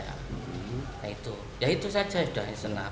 ya itu saja ya itu saja senam